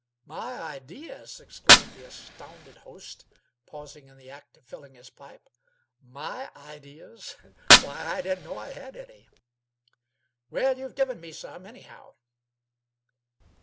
"My ideas!" exclaimed the astounded host, pausing in the act of filling his pipe. "My ideas! Why, I didn't know I had any." "Well, you've given me some, anyhow."